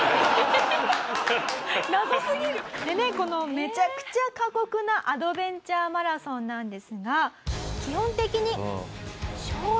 めちゃくちゃ過酷なアドベンチャーマラソンなんですが基本的に。